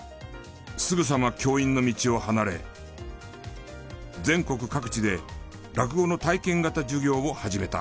すぐさま教員の道を離れ全国各地で落語の体験型授業を始めた。